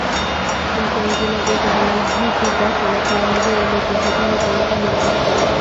دا جنګونه د ډله ييزو ګټو لپاره وو او مجاهدینو ته يې زیان ورساوه.